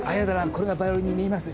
これがバイオリンに見えます？